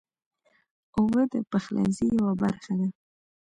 اوبه د پخلنځي یوه برخه ده.